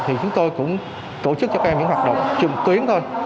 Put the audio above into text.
thì chúng tôi cũng tổ chức cho các em những hoạt động trùng tuyến thôi